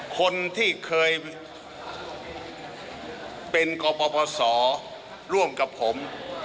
คนที่เคยเป็นกปปศร่วมกับผม